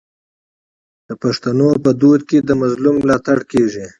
د پښتنو په کلتور کې د مظلوم ملاتړ کیږي.